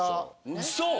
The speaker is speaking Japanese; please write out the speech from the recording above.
ウソ！